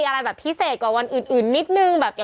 แรง